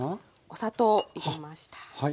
お砂糖入れました。